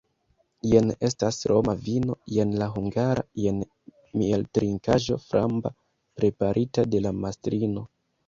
Jen estas roma vino, jen la hungara, jen mieltrinkaĵo framba, preparita de la mastrino!